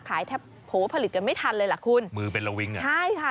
แทบโผล่ผลิตกันไม่ทันเลยล่ะคุณมือเป็นระวิงอ่ะใช่ค่ะ